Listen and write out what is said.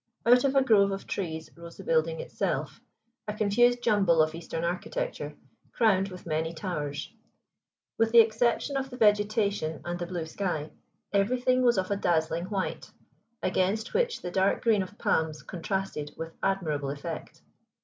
Out of a grove of trees rose the building itself, a confused jumble of Eastern architecture crowned with many towers. With the exception of the vegetation and the blue sky, everything was of a dazzling white, against which the dark green of palms contrasted with admirable effect.